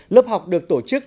lớp học được tổ chức